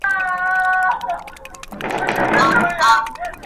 زه تر ده سم زوروري لوبي کړلای،